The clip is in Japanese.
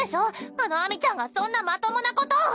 あの秋水ちゃんがそんなまともなこと！